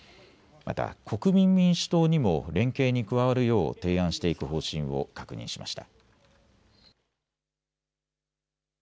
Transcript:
また国民民主党にも連携に加わるよう提案していく方針を確認しました。